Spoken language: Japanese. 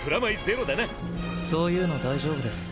そういうの大丈夫です。